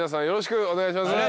お願いします。